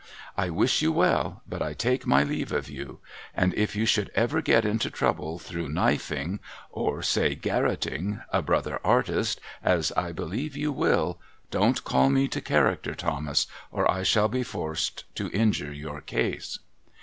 I wish you well, but I take my leave of you. And if you should ever get into trouble through knifeing — or say, garrotting— a brother artist, as I believe you will, don't call me to character, Thomas, or I shall be forced to injure your case.'